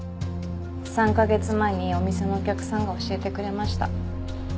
３カ月前にお店のお客さんが教えてくれました。